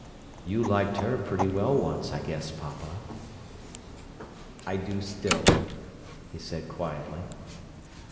"You liked her pretty well once, I guess, papa." "I do still," he said quietly.